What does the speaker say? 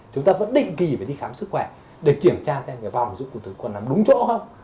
chúng ta vẫn định kỳ phải đi khám sức khỏe để kiểm tra xem cái vòng dụng cụ tử còn làm đúng chỗ không